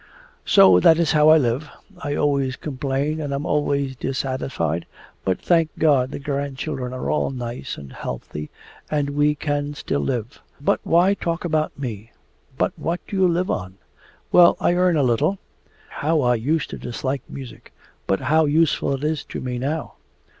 'So that is how I live. I always complain and am always dissatisfied, but thank God the grandchildren are all nice and healthy, and we can still live. But why talk about me?' 'But what do you live on?' 'Well, I earn a little. How I used to dislike music, but how useful it is to me now!